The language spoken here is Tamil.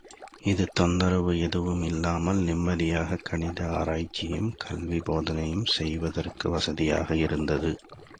இது தொந்தரவு எதுவுமில்லாமல் நிம்மதியாகக் கணித ஆராய்ச்சியும் கல்வி போதனையும் செய்வதற்கு வசதியாக இருந்தது.